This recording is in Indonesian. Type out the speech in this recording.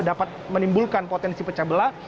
dapat menimbulkan potensi pecah belah